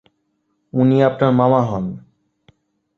উনি আপনার মামা হন।